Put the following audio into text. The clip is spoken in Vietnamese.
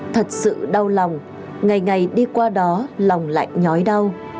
thật sự đau lòng ngày ngày đi qua đó lòng lại nhói đau